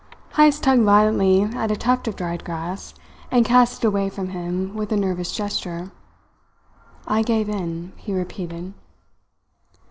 Heyst tugged violently at a tuft of dried grass, and cast it away from him with a nervous gesture. "I gave in," he repeated.